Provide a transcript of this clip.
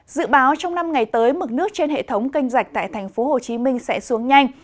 dự báo trong năm ngày tới mức nước trên hệ thống canh dạch tại tp hcm sẽ xuống nhanh